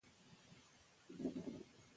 د نجونو ښوونه د ټولنې همغږي ساتي.